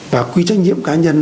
và quy trách nhiệm cá nhân